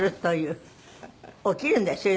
起きるんですよ。